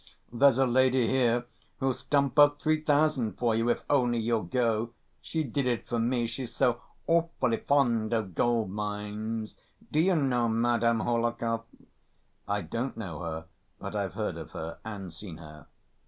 There's a lady here who'll stump up three thousand for you, if only you'll go. She did it for me, she's so awfully fond of gold‐mines. Do you know Madame Hohlakov?" "I don't know her, but I've heard of her and seen her.